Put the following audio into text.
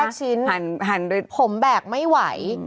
ก็เลยแยกชิ้นผมแบกไม่ไหว